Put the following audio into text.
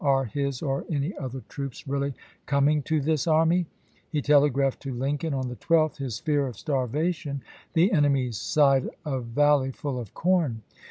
Are his or any other troops really coming to this army?" He telegraphed to Lincoln, October n. on the 12th, his fear of starvation, the " enemy's side of valley full of corn.